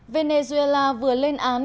venezuela vừa lên án